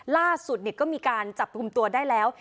ล่าสุดก็มีการจับกลุ่มตัวได้แล้ว